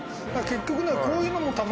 結局ね。